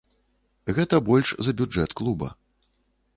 Гэта больш за бюджэт клуба.